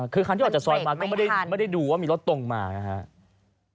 คือคันที่ออกจากซอยมาก็ไม่ได้ดูว่ามีรถตรงมานะครับ